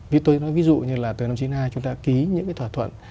ví dụ như là từ năm chín mươi hai chúng ta ký những thỏa thuận